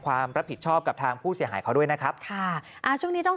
ความรับผิดชอบกับทางผู้เสียหายเขาด้วยนะครับค่ะอ่าช่วงนี้ต้อง